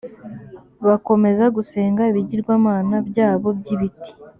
bakomeza gusenga ibigirwamana byabo by’ibiti